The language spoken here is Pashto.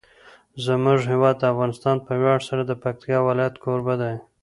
زموږ هیواد افغانستان په ویاړ سره د پکتیکا ولایت کوربه دی.